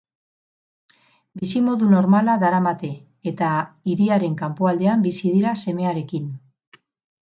Bizimodu normala daramate eta hiriaren kanpoaldean bizi dira semearekin.